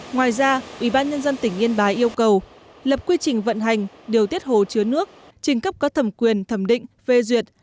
ngoài ra ubnd tỉnh yên bái yêu cầu lập quy trình vận hành điều tiết hồ chứa nước trình cấp có thẩm quyền thẩm định phê duyệt